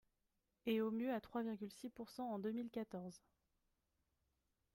et au mieux à trois virgule six pourcent en deux mille quatorze.